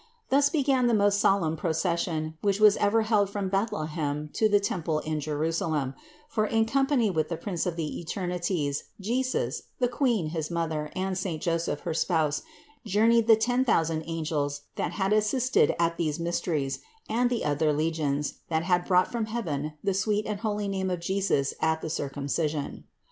Thus began the most solemn procession, which was ever held from Bethlehem to the temple in Jerusalem; for in company with the Prince of the eternities, Jesus, the Queen, his Mother, and saint Joseph, her spouse, journeyed the ten thousand angels, that had assisted at these mysteries, and the other legions, that had brought from heaven the sweet and holy name of Jesus at the Circumcision (No.